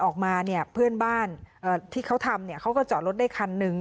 เขาก็จอดรถได้คันหนึ่ง